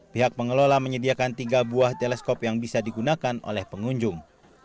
pihak pengelola menyediakan tiga buah teleskop yang bisa digunakan oleh pengunjung